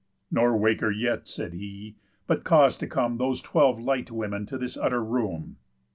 "Nor wake her yet," said he, "but cause to come Those twelve light women to this utter room."